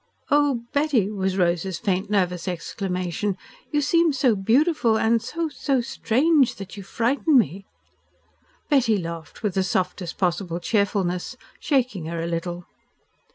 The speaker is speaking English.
"Oh, Betty!" was Rosy's faint nervous exclamation, "you seem so beautiful and so so strange that you frighten me." Betty laughed with the softest possible cheerfulness, shaking her a little.